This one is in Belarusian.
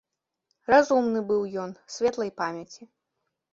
Разумны быў ён, светлай памяці.